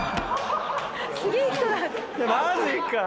マジかよ！